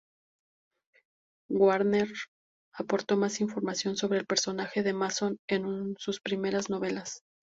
Gardner aportó más información sobre el personaje de Mason en sus primeras novelas.